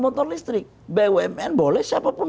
motor listrik bumn boleh siapapun